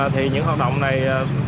thì những hoạt động này